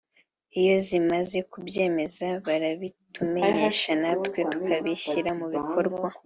iyo zimaze kubyemeza barabitumenyesha natwe tukabishyira mu bikorwa”